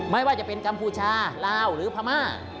ไม่ว่าจะเป็นกัมพูชาลาวหรือพม่า